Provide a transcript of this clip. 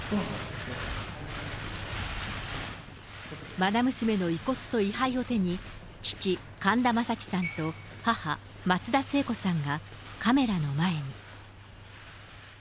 愛娘の遺骨と位はいを手に、父、神田正輝さんと、母、松田聖子さんがカメラの前に。